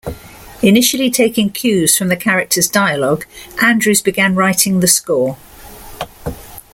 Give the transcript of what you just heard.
Initially taking cues from the characters' dialogue, Andrews began writing the score.